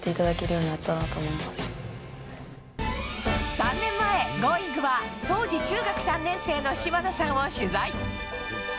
３年前、「Ｇｏｉｎｇ！」は当時中学３年生の島野さんを取材。